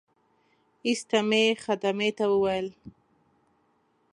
ایسته مې خدمې ته وویل.